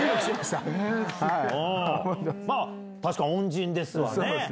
確かに恩人ですわね。